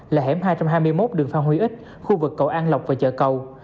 là hẻm hai trăm hai mươi một đường phan huy ích khu vực cậu an lọc và chợ cầu